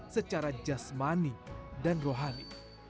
secara jasmani dan rohani